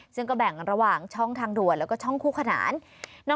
ซึ่งก็แบ่งระหว่างช่องทางด่วนแล้วก็ช่องคู่ขนาน